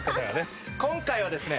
今回はですね